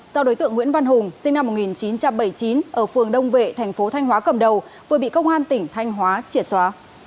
do đối tượng nguyễn văn hùng sinh năm một nghìn chín trăm bảy mươi chín ở phường đông vệ thành phố thanh hóa cầm đầu vừa bị công an tỉnh thanh hóa triệt xóa